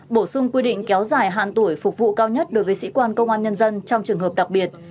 bổ sung quy định kéo dài hạn tuổi phục vụ cao nhất đối với sĩ quan công an nhân dân trong trường hợp đặc biệt